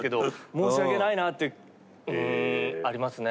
申し訳ないなってありますね。